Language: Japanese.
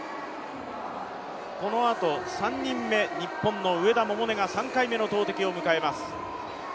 このあと３人目、日本の上田百寧が３回目の投てきを迎えます。